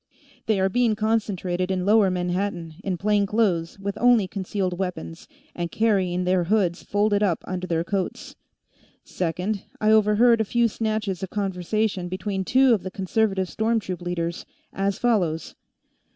They are being concentrated in lower Manhattan, in plain clothes, with only concealed weapons, and carrying their hoods folded up under their coats. Second, I overheard a few snatches of conversation between two of the Conservative storm troop leaders, as follows